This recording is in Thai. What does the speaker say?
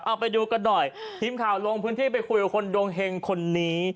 เอาไปดูกันหน่อยทีมข่าวลงพื้นที่ไปคุยกับคนดวงเฮงคนนี้